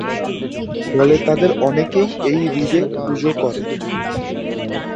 ফলে তাদের অনেকেই এই হ্রদে পুজো করে।